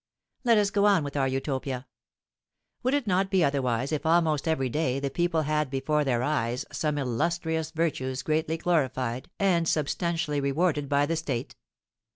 Let us go on with our utopia. Would it not be otherwise if almost every day the people had before their eyes some illustrious virtues greatly glorified and substantially rewarded by the state?